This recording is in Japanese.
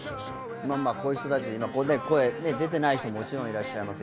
こういう人たちここで声出てない人ももちろんいらっしゃいます。